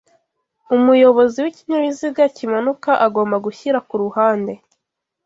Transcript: umuyobozi w'ikinyabiziga kimanuka agomba gushyira ku ruhande